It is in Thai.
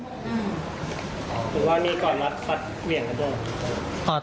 คุณพ่อมีก่อนมาตัดเหวี่ยงกันต้อง